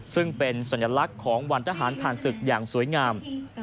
ซึ่งเป็นสัญลักษณ์ของวันทหารผ่านศึกอย่างสวยงาม